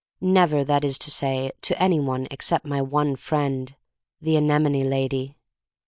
Never, that is to say, to any one except my one friend, the anemone lady.